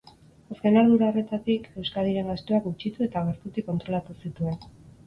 Azken ardura horretatik, Euskadiren gastuak gutxitu eta gertutik kontrolatu zituen.